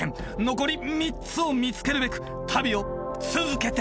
残り３つを見つけるべく旅を続けている。